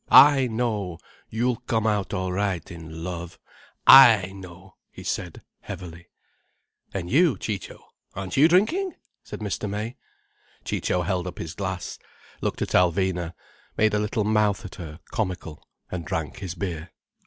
"I know you'll come out all right in love, I know," he said heavily. "And you, Ciccio? Aren't you drinking?" said Mr. May. Ciccio held up his glass, looked at Alvina, made a little mouth at her, comical, and drank his beer.